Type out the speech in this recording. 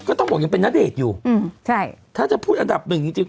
ก็ต้องบอกยังเป็นณเดชน์อยู่อืมใช่ถ้าจะพูดอันดับหนึ่งจริงจริง